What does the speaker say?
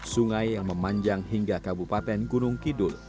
sungai yang memanjang hingga kabupaten gunung kidul